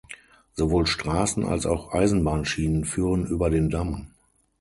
Sowohl Straßen als auch Eisenbahnschienen führen über den Damm.